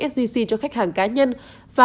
sgc cho khách hàng cá nhân và